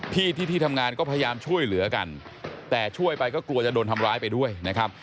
ที่ที่ทำงานก็พยายามช่วยเหลือกันแต่ช่วยไปก็กลัวจะโดนทำร้ายไปด้วยนะครับ